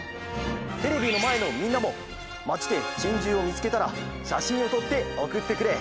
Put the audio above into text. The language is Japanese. テレビのまえのみんなもまちでチンジューをみつけたらしゃしんをとっておくってくれ！